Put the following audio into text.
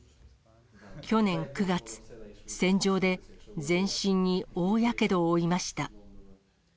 去年９月、戦場で全身に大やけどを負いました。